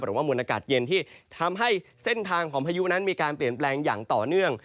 มวลอากาศเย็นที่ทำให้เส้นทางของพายุนั้นมีการเปลี่ยนแปลงอย่างต่อเนื่อง